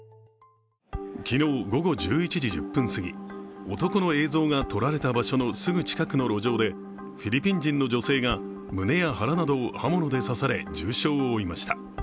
昨日午後１１時１０分すぎ、男の映像が撮られた場所のすぐ近くの路上でフィリピン人の女性が胸や腹などを刃物で刺され、重傷を負いました。